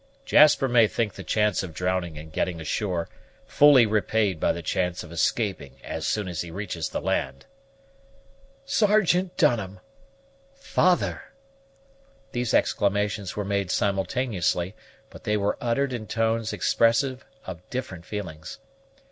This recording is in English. Jasper may think the chance of drowning in getting ashore fully repaid by the chance of escaping as soon as he reaches the land." "Sergeant Dunham!" "Father!" These exclamations were made simultaneously, but they were uttered in tones expressive of different feelings.